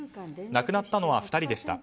亡くなったのは２人でした。